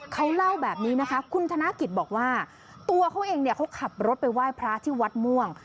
เขาเล่าแบบนี้นะคะคุณธนกิจบอกว่าตัวเขาเองเนี่ยเขาขับรถไปไหว้พระที่วัดม่วง